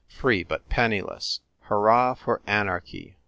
Free, but penniless. Hurrah for anarchy